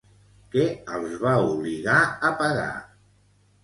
Què els va obligar a pagar?